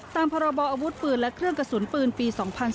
ตามพรบออาวุธปืนและเครื่องกระสุนปืนปี๒๔